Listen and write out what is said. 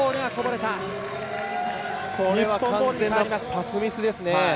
パスミスですね。